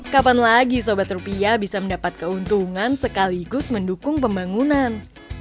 kapan lagi sobat rupiah bisa mendapat keuntungan sekaligus mendukung pembangunan